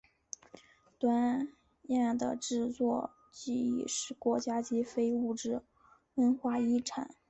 端砚的制作技艺是国家级非物质文化遗产。